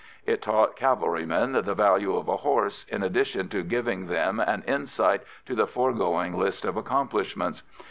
It taught cavalrymen the value of a horse, in addition to giving them an insight to the foregoing list of accomplishments.